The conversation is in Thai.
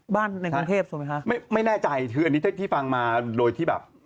ในกรุงเทพถูกไหมคะไม่ไม่แน่ใจคืออันนี้ถ้าพี่ฟังมาโดยที่แบบ